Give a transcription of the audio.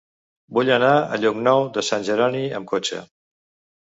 Vull anar a Llocnou de Sant Jeroni amb cotxe.